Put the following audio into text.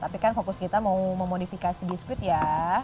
tapi kan fokus kita mau memodifikasi biskuit ya